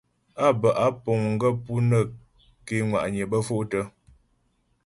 Á bə́ á puŋ gaə́ pú nə́ ké ŋwa'nyə bə́ fôktə.